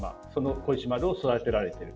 小石丸を育てられている。